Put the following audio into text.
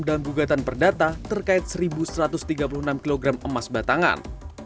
dalam gugatan perdata terkait satu satu ratus tiga puluh enam kg emas batangan